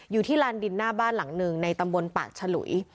อยู่ที่ลานดินหน้าบ้านหลังหนึ่งในตำบลปากฉลุย